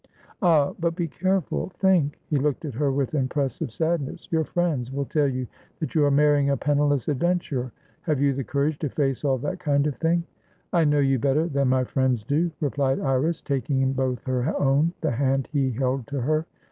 "Ah! But be carefulthink!" He looked at her with impressive sadness. "Your friends will tell you that you are marrying a penniless adventurer. Have you the courage to face all that kind of thing?" "I know you better than my friends do," replied Iris, taking in both her own the hand he held to her.